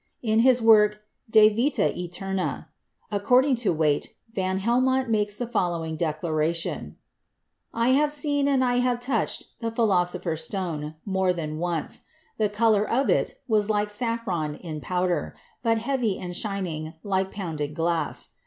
In his work, "De Vita Eterna," according to Waite, van Helmont makes the following declaration: "I have seen and I have touched the Philosopher's Stone more than once; the color of it was like saf fron in powder, but heavy and shining like pounded glass.